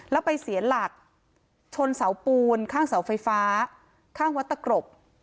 แล้วไปเสียหลักชนเสาปูนข้างเสาไฟฟ้าข้างวัดตะกรบ